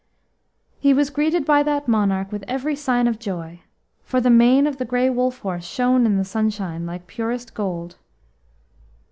He was greeted by that monarch with every sign of joy, for the mane of the Grey Wolfhorse shone in the sunshine like purest gold.